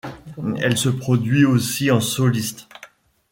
Elle se produit aussi en soliste.